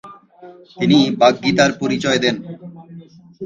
তিনি বাগ্মিতার পরিচয় দেন।